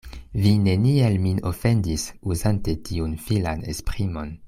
Vi neniel min ofendis, uzante tiun filan esprimon.